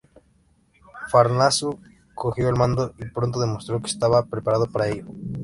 Farnabazo cogió el mando y pronto demostró que estaba preparado para ello.